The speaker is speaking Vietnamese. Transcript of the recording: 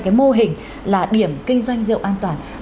cái mô hình là điểm kinh doanh rượu an toàn